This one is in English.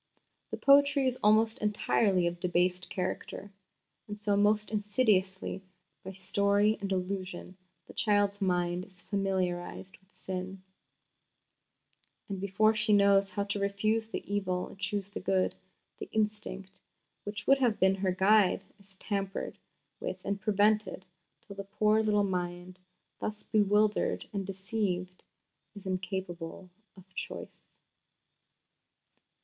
The poetry is almost entirely of a debased character; and so most insidiously, by story and allusion, the child's mind is familiarised with sin; and before she knows how to refuse the evil and choose the good, the instinct which would have been her guide is tampered with and perverted, till the poor little mind, thus bewildered and deceived, is incapable of choice.